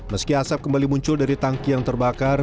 meski asap kembali muncul dari tangki yang terbakar